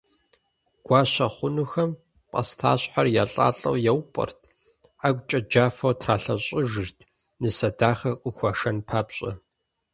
Гуащэ хъунухэм пӏастащхьэр елӏалӏэу яупӏэрт, ӏэгукӏэ джафэу тралъэщӏэжырт, нысэ дахэ къыхуашэн папщӏэ.